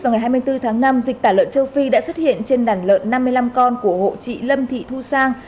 vào ngày hai mươi bốn tháng năm dịch tả lợn châu phi đã xuất hiện trên đàn lợn năm mươi năm con của hộ chị lâm thị thu sang